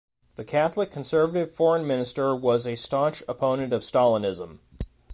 The Catholic-conservative foreign minister was a staunch opponent of Stalinism.